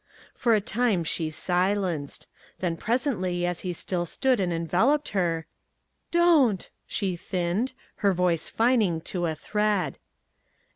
For a time she silenced. Then presently as he still stood and enveloped her, "Don't!" she thinned, her voice fining to a thread.